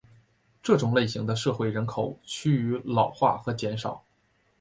这种类型的社会人口趋于老化和减少。